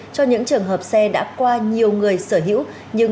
cho những trường hợp xe đã qua nhiều người sở hữu nhưng